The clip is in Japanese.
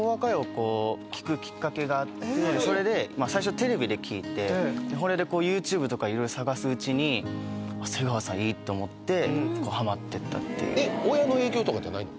こう聴くきっかけがあってそれで最初テレビで聴いてそれでこうＹｏｕＴｕｂｅとかいろいろ探すうちに瀬川さんいいと思ってハマってったっていうえっ親の影響とかじゃないの？